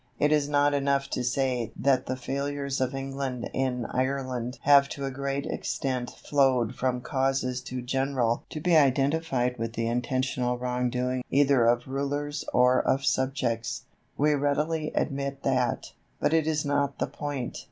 It is not enough to say that the failures of England in Ireland have to a great extent flowed from causes too general to be identified with the intentional wrong doing either of rulers or of subjects. We readily admit that, but it is not the point.